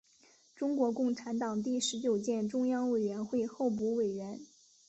中国共产党第十九届中央委员会候补委员。